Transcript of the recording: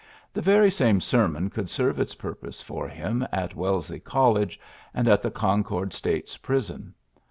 The very same sermon could serve its purpose for him at Wellesley College and at the Concord State^ s Prison.